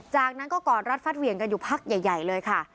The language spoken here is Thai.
จากนั้นก็กอดรัดฟัดเหวี่ยงกันอยู่พักใหญ่เลยค่ะ